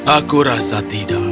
aku rasa tidak